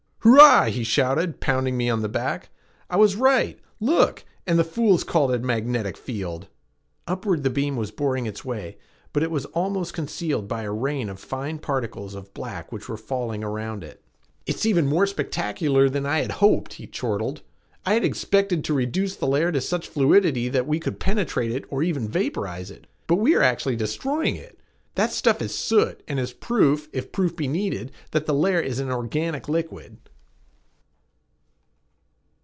"Hurrah!" he shouted, pounding me on the back. "I was right! Look! And the fools called it a magnetic field!" Upward the beam was boring its way, but it was almost concealed by a rain of fine particles of black which were falling around it. "It's even more spectacular than I had hoped," he chortled. "I had expected to reduce the layer to such fluidity that we could penetrate it or even to vaporize it, but we are actually destroying it! That stuff is soot and is proof, if proof be needed, that the layer is an organic liquid."